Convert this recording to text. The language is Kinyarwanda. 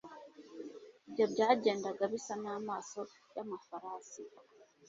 ibyo byagendaga bisa n'amaso y'amafarasi